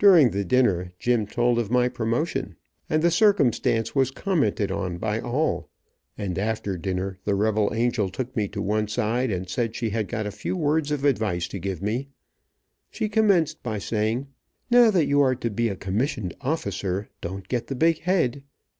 During the dinner Jim told of my promotion, and the circumstance was commented on by all, and after dinner the rebel angel took me one side, and said she had got a few words of advice to give me. She commenced by saying: "Now that you are to be a commissioned officer, don't get the big head.